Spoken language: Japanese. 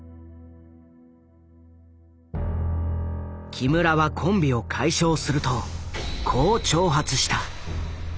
木村はコンビを解消するとこう挑発した。